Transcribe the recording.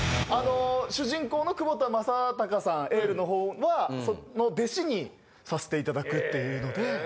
主人公の窪田正孝さん、エールのほうの、その弟子にさせていただくというので。